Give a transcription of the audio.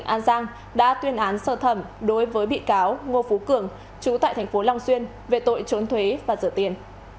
tòa án nhân dân tỉnh an giang đã tuyên án sơ thẩm đối với bị cáo ngô phú cường chủ tại thành phố long xuyên về tội trốn thuế và rửa tiền